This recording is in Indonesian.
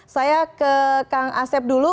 saya ke kang asep dulu